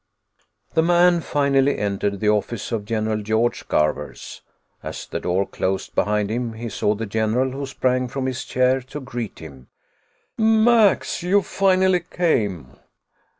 _ The man finally entered the office of General George Garvers. As the door closed behind him, he saw the general, who sprang from his chair to greet him. "Max! You finally came."